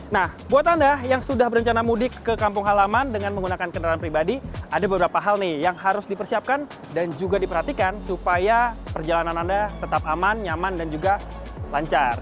nah buat anda yang sudah berencana mudik ke kampung halaman dengan menggunakan kendaraan pribadi ada beberapa hal nih yang harus dipersiapkan dan juga diperhatikan supaya perjalanan anda tetap aman nyaman dan juga lancar